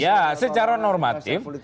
ya secara normatif